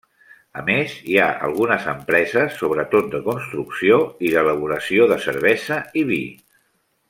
A més, hi ha algunes empreses, sobretot de construcció i d'elaboració de cervesa i vi.